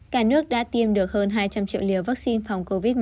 cả nước đã tiêm được hơn hai trăm linh triệu liều vaccine phòng covid một mươi chín